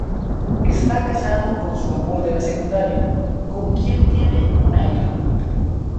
Está casado con su amor de la secundaria, con quien tiene una hija.